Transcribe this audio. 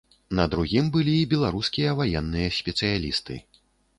На другім былі беларускія ваенныя спецыялісты.